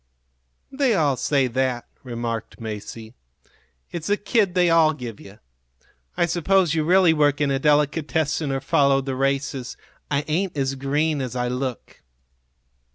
"They all say that," remarked Masie. "It's the kid they all give you. I suppose you really work in a delicatessen or follow the races. I ain't as green as I look."